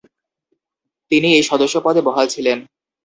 তিনি এই সদস্যপদে বহাল ছিলেন।